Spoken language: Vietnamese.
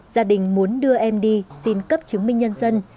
gia đình muốn đưa em đi xin cấp chứng minh nhân dân